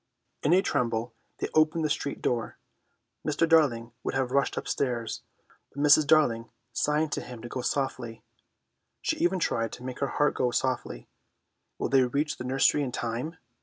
In a tremble they opened the street door. Mr. Darling would have rushed upstairs, but Mrs. Darling signed him to go softly. She even tried to make her heart go softly. Will they reach the nursery in time?